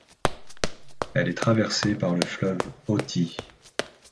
Elle est traversée par le fleuve Oti.